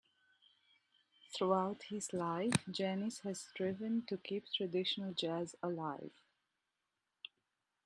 Throughout his life, Janis has striven to keep traditional jazz alive.